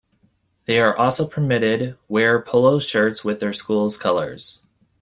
They are also permitted wear polo shirts with their schools' colors.